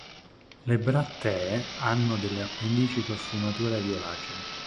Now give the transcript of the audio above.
Le brattee hanno delle appendici con sfumature violacee.